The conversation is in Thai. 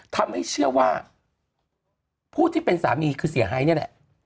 ทำให้เชื่อว่าผู้ที่เป็นสามีคือเสียหายนี่แหละ